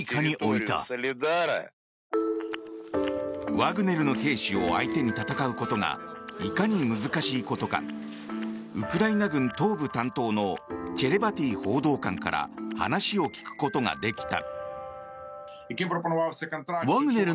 ワグネルの兵士を相手に戦うことがいかに難しいことかウクライナ軍東部担当のチェレバティ報道官から話を聞くことができた。